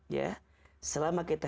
ya selama kita